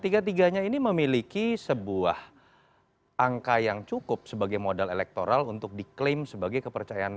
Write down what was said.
tiga tiganya ini memiliki sebuah angka yang cukup sebagai modal elektoral untuk diklaim sebagai kepercayaan